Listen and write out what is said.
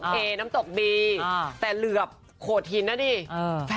ใช่ค่ะก็บริสุทธิ์ใจค่ะ